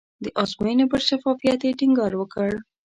د ازموینې پر شفافیت یې ټینګار وکړ.